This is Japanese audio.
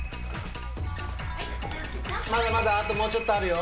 まだまだ、あともうちょっとあるよ。